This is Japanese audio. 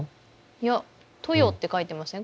いや「とよ」って書いてません？